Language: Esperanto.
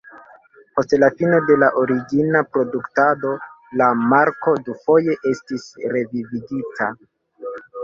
Post la fino de la origina produktado, la marko dufoje estis revivigita.